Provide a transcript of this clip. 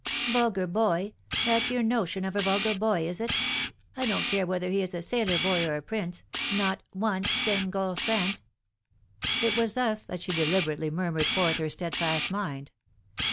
" Vulgar boy !— That's your notion of a vulgar boy, is it? — Idon't care whether he is a sailor boy or a prince — not — one — single — cent." It was thus that she deliberately murmured forth her steadfast mind.